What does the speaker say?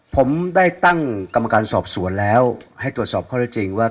ผมได้ตั้งกรรมการสอบสวนแล้วให้ตรวจสอบข้อได้จริงว่า